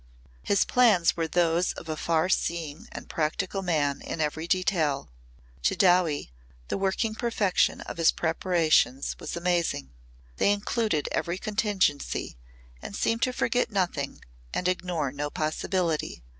His plans were those of a farseeing and practical man in every detail. To Dowie the working perfection of his preparations was amazing. They included every contingency and seemed to forget nothing and ignore no possibility.